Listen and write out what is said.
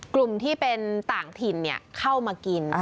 กลุ่มที่เป็นต่างถิ่นเข้ามากิน